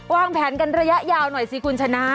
วางแผนกันระยะยาวหน่อยสิคุณชนะ